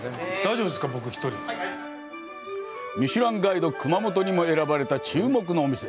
ミシュランガイド熊本にも選ばれた注目のお店。